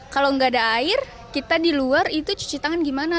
kalau nggak ada air kita di luar itu cuci tangan gimana